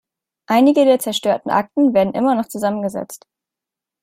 Einige der zerstörten Akten werden immer noch zusammengesetzt.